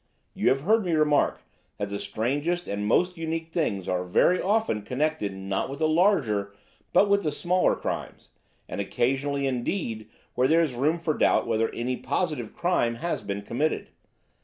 You have heard me remark that the strangest and most unique things are very often connected not with the larger but with the smaller crimes, and occasionally, indeed, where there is room for doubt whether any positive crime has been committed.